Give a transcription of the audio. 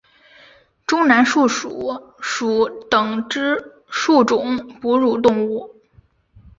中南树鼠属等之数种哺乳动物。